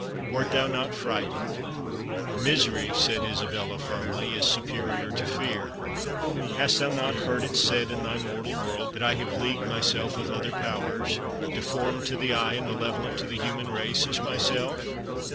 Wert thou not frightened?" "Misery," said Isabella, firmly, "is superior to fear." "Hast thou not heard it said in thy mortal world, that I have leagued myself with other powers, deformed to the eye and malevolent to the human race as myself?